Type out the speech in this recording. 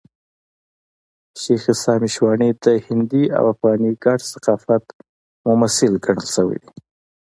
شېخ عیسي مشواڼي د هندي او افغاني ګډ ثقافت ممثل ګڼل سوى دئ.